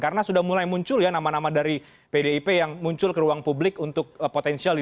karena sudah mulai muncul ya nama nama dari pdip yang muncul ke ruang publik untuk potensial di dua ribu dua puluh empat